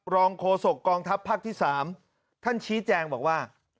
โคศกกองทัพภาคที่๓ท่านชี้แจงบอกว่า